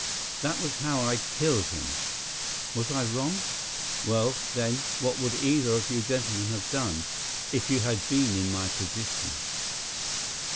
That was how I killed him. Was I wrong? Well, then, what would either of you gentlemen have done, if you had been in my position?